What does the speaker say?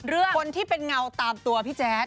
เรื่องคนที่เป็นเหงาตามตัวพี่แจ๊ด